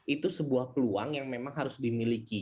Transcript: itu sebuah peluang yang memang harus dimiliki